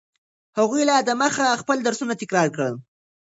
هغوی لا دمخه خپل درسونه تکرار کړي.